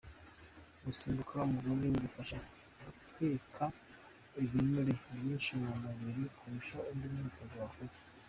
Gusimbuka umugozi bigufasha gutwika ibinure byinshi mu mubiri kurusha undi mwitozo wakora.